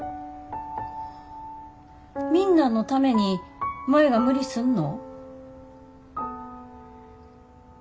みんなのために舞が無理すんの？